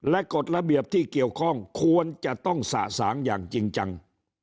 และกฎระเบียบที่เกี่ยวข้องควรจะต้องสะสางอย่างจริงจัง